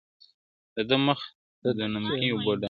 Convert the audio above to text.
دده مخ د نمکينو اوبو ډنډ سي.